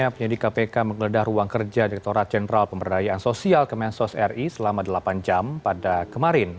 penyidik kpk menggeledah ruang kerja direkturat jenderal pemberdayaan sosial kemensos ri selama delapan jam pada kemarin